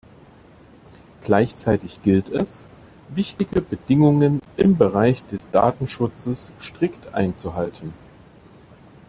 Gleichzeitig gilt es, wichtige Bedingungen im Bereich des Datenschutzes strikt einzuhalten.